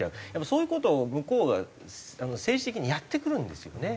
そういう事を向こうが政治的にやってくるんですよね。